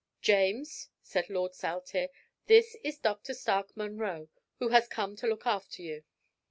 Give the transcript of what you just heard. "James," said Lord Saltire, "this is Dr. Stark Munro, who has come to look after you."